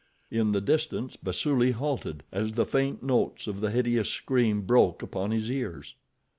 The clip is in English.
In the distance, Basuli halted as the faint notes of the hideous scream broke upon his ears.